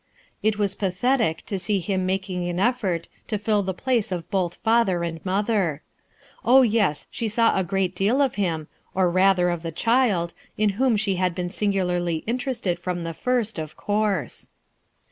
It was pathetic to see him making an effort to fill the place of both father and mother. Oh, yes, she saw a great deal of him, or rather, of the child, in whom she had been singularly inter ested from the First, of course.